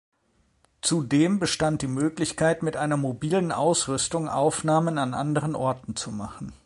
Zudem bestand die Möglichkeit, mit einer mobilen Ausrüstung Aufnahmen an anderen Orten zu machen.